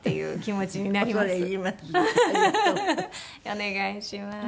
お願いします。